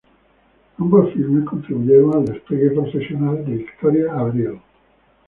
Ambos filmes contribuyeron al despegue profesional de Victoria Abril.